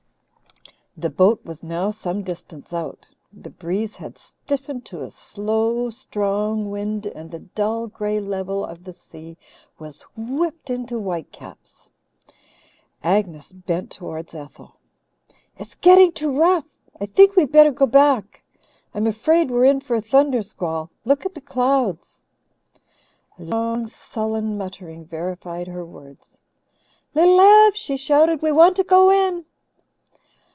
The boat was now some distance out. The breeze had stiffened to a slow strong wind and the dull grey level of the sea was whipped into white caps. Agnes bent towards Ethel. "It's getting too rough. I think we'd better go back. I'm afraid we're in for a thunder squall. Look at the clouds." A long, sullen muttering verified her words. "Little Ev," she shouted, "we want to go in."